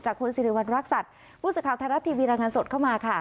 จากคุณสิริวัณรักษัตริย์พูดสุดข่าวท้านรัฐทีวีรางงานสดเข้ามาค่ะ